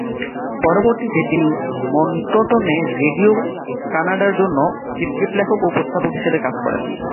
পরবর্তীতে তিনি মন্টটনে রেডিও-কানাডার জন্য স্ক্রিপ্ট লেখক ও উপস্থাপক হিসেবে কাজ করেন।